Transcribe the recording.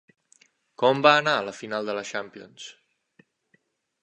Com va anar la final de la champions?